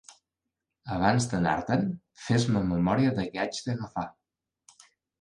Abans d'anar-te'n, fes-me memòria de què haig d'agafar.